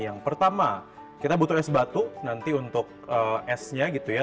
yang pertama kita butuh es batu nanti untuk esnya gitu ya